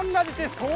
そう！